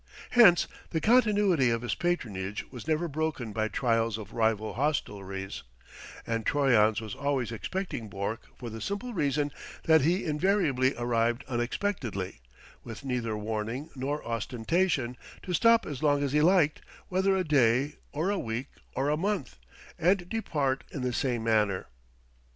Hence, the continuity of his patronage was never broken by trials of rival hostelries; and Troyon's was always expecting Bourke for the simple reason that he invariably arrived unexpectedly, with neither warning nor ostentation, to stop as long as he liked, whether a day or a week or a month, and depart in the same manner.